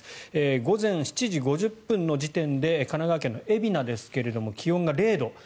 午前７時５０分の時点で神奈川県の海老名ですが気温が０度。